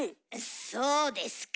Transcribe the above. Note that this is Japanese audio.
そうですか。